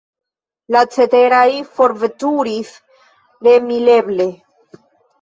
La ceteraj forveturis remileble.